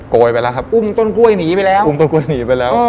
โกยไปแล้วครับอุ้มต้นกล้วยหนีไปแล้ว